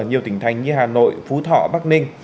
nhiều tỉnh thành như hà nội phú thọ bắc ninh